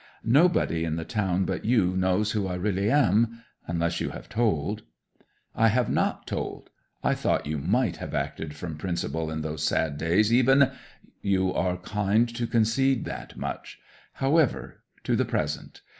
Nobody in the town but you knows who I really am unless you have told?" '"I have not told ... I thought you might have acted from principle in those sad days, even " '"You are kind to concede that much. However, to the present.